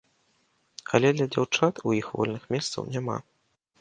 Але для дзяўчат у іх вольных месцаў няма.